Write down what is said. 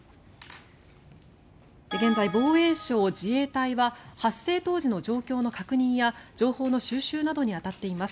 現在、防衛省、自衛隊は発生当時の状況の確認や情報の収集などに当たっています。